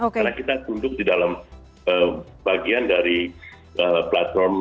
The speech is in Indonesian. karena kita tunduk di dalam bagian dari platform yang